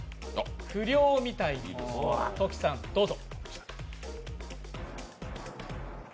不良みたいに、トキさんどうぞ。